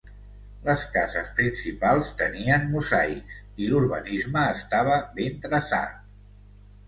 Les cases principals tenien mosaics i l'urbanisme estava ben traçat.